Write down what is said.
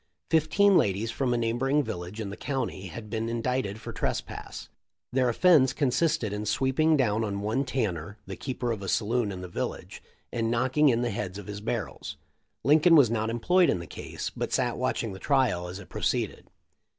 Fifteen ladies from a neighboring village in the county had been indicted for trespass. Their offence con sisted in sweeping down on one Tanner, the keeper of a saloon in the village, and knocking in the heads of his barrels. Lincoln was not employed in the case, but sat watching the trial as it pro ceeded.